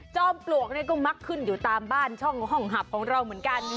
ปลวกนี่ก็มักขึ้นอยู่ตามบ้านช่องห้องหับของเราเหมือนกัน